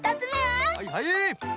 はいはい！